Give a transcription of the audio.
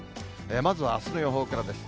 まずはあすの予報からです。